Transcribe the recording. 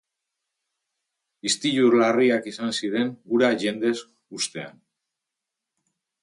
Istilu larriak izan ziren hura jendez hustean.